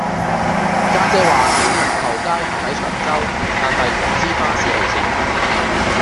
家姐話興隆後街係喺長洲但係唔知巴士路線